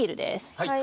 はい。